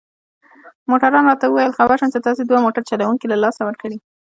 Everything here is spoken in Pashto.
موټروان راته وویل: خبر شوم چي تاسي دوه موټر چلوونکي له لاسه ورکړي.